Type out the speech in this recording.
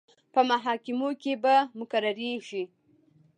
په محاکمو کې به مقرریږي.